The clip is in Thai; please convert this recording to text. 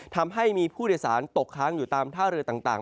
ทำให้มีผู้โดยสารตกค้างอยู่ตามท่าเรือต่าง